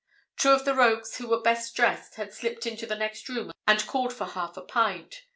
Two of the rogues who were best dressed, had slipped into the next room and called for half a pint.